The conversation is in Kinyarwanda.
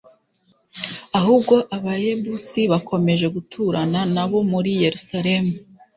ahubwo Abayebusi bakomeje guturana na bo muri Yerusalemu